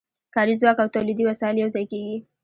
کاري ځواک او تولیدي وسایل یوځای کېږي